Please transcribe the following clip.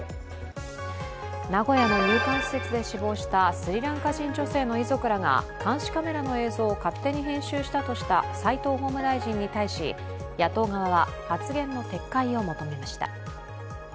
名古屋の入管施設で死亡したスリランカ人女性の遺族らが監視カメラの映像を勝手に編集したとした齋藤法務大臣に対し野党側は、発言の撤回を求めました